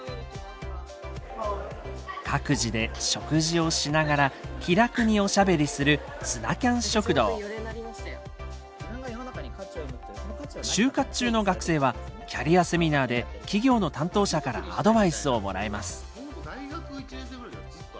各自で食事をしながら気楽におしゃべりする就活中の学生はキャリアセミナーで企業の担当者からアドバイスをもらえます。